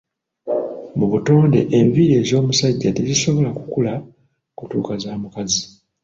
Mu butonde, enviiri ez'omusajja tezisobola kukula kutuuka za mukazi.